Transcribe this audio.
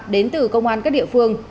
đến từ công an các địa phương